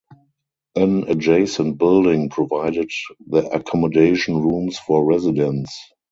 An adjacent building provided the accommodation rooms for residents.